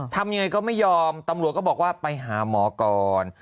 ทำยังไงก็ไม่ยอมตำรวจก็บอกว่าไปหาหมอก่อน